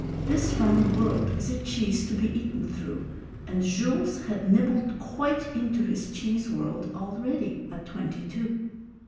This round world is a cheese to be eaten through, and Jules had nibbled quite into his cheese world already at twenty two.